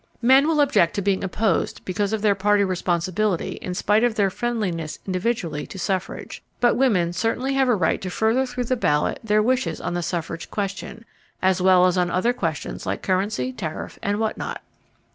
Men will object to being opposed because of their party responsibility in spite of their friendliness individually to suffrage. But women certainly have a right to further through the ballot their wishes on the suffrage question, as well as on other questions like currency, tariff, and what not.